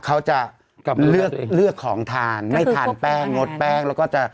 เขาจะเลือกเลือกของทานไม่ทานแป้งงดแป้งแล้วก็จะ